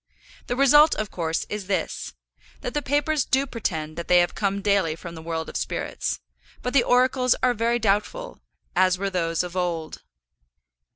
The result, of course, is this, that the papers do pretend that they have come daily from the world of spirits; but the oracles are very doubtful, as were those of old.